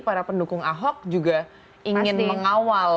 para pendukung ahok juga ingin mengawal